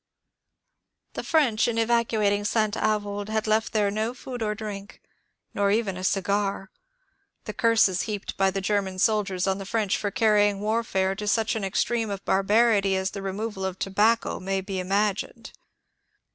The French in evacuating St. Avoid had left there no food or drink, nor even a cigar. The curses heaped by the Grer man soldiers on the French for carrying warfare to such an extreme of barbarity as the removal of tobacco may be im agined.